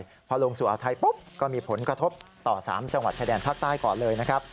พอลงสู่อาทัยปุ๊บก็มีผลกระทบต่อ๓จังหวัดชายแดนภาคใต้ก่อนเลยนะครับ